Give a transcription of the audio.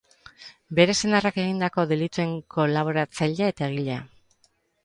Bere senarrak egindako delituen kolaboratzaile eta egilea.